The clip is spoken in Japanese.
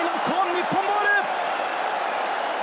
日本ボール！